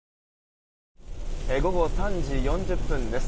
午後３時４０分です。